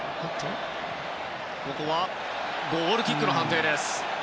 ゴールキックの判定です。